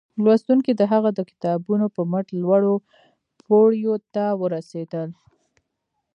لوستونکي د هغه د کتابونو پر مټ لوړو پوړيو ته ورسېدل